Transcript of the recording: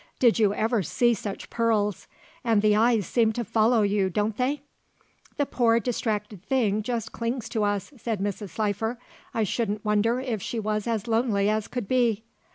Did you ever see such pearls; and the eyes seem to follow you, don't they?" "The poor, distracted thing just clings to us," said Mrs. Slifer. "I shouldn't wonder if she was as lonely as could be."